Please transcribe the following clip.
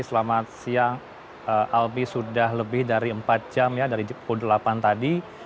selamat siang albi sudah lebih dari empat jam ya dari pukul delapan tadi